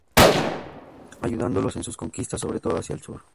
Ayudándolos en sus conquistas sobre todo hacia el sur.